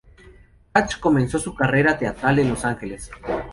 Hatch comenzó su carrera teatral en Los Ángeles.